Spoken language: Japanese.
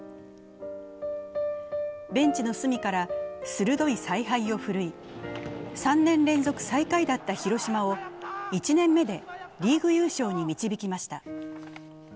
ベンチの隅から鋭い采配をを振るい、３年連続最下位だった広島を１年目でリーグ優勝に導きました。